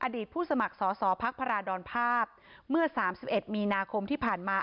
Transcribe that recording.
อดีตผู้สมัครสอสอภักดิ์พระราชดรภาพเมื่อสามสิบเอ็ดมีนาคมที่ผ่านมา